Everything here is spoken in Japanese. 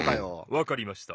わかりました。